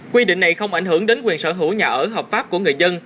quy định này không ảnh hưởng đến quyền sở hữu nhà ở hợp pháp của người dân